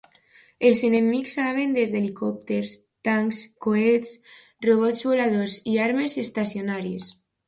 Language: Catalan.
Els enemics anaven des d'helicòpters, tancs, coets, robots voladors i armes estacionàries.